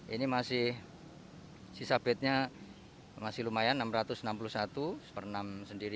ini masih sisa bednya masih lumayan enam ratus enam puluh satu per enam sendiri